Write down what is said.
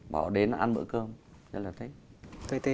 bỏ đến ăn bữa cơm rất là thích